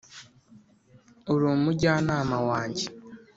uri umujyanama wanjye.